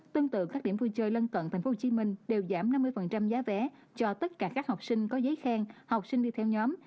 tương tự các điểm vui chơi lân cận tp hcm đều giảm năm mươi giá vé cho tất cả các học sinh có giấy khen học sinh đi theo nhóm